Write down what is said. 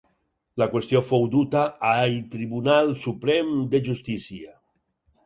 La qüestió fou duta ai Tribunal Suprem de Justícia.